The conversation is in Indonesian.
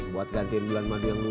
buat gantiin bulan madu yang dulu